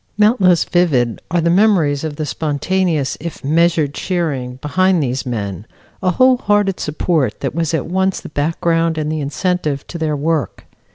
Not less vivid are the memories of the spontaneous if measured cheering behind these men a whole hearted support that was at once the background and the incentive to their work.